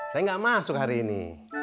saya nggak masuk hari ini